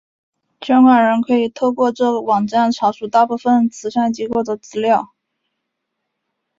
捐款人可以透过这网站查出大部份慈善机构的资料。